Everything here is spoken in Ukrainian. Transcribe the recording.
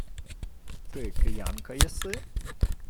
— Ти киянка єси?